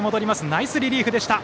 ナイスリリーフでした。